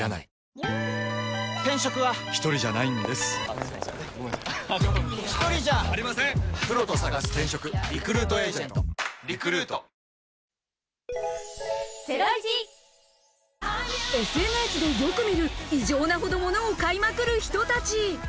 明日も同じような天気でＳＮＳでよく見る異常なほど物を買いまくる人たち。